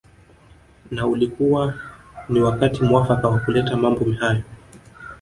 Na ulikuwa ni wakati muafaka wa kuleta mambo hayo